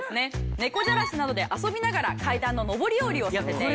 猫じゃらしなどで遊びながら階段の上り下りをさせている。